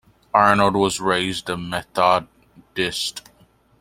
Arnold was raised a Methodist.